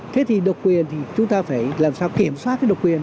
thế thì độc quyền thì chúng ta phải làm sao kiểm soát cái độc quyền